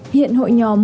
hiện hội nhóm